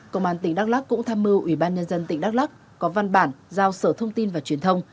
công an tỉnh đắk lắc cũng tham mưu ủy ban nhân dân tỉnh đắk lắc có văn bản giao sở thông tin và truyền thông